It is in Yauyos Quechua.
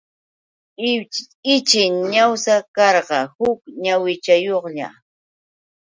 Ichi ñawsa karqa huk ñawichayuqlla.